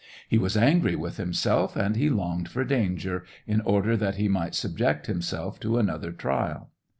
He was angry with himself, and he longed for danger, in order that he might sub ject himself to another trial.